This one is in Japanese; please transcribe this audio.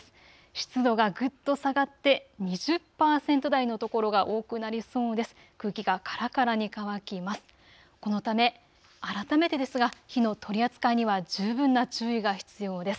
湿度がぐっと下がって２０％台の所が多くなりそうです。